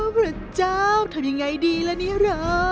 พระเจ้าทำยังไงดีหรอ